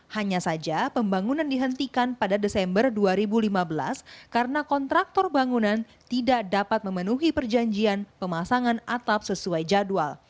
hanya saja pembangunan dihentikan pada desember dua ribu lima belas karena kontraktor bangunan tidak dapat memenuhi perjanjian pemasangan atap sesuai jadwal